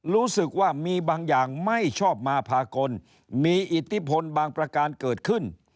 รู้สึกว่ามีบางอย่างไม่ชอบมาพากลมีอิทธิพลบางประการเกิดขึ้น